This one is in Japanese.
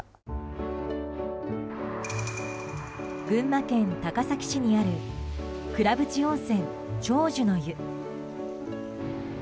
群馬県高崎市にある倉渕温泉長寿の湯。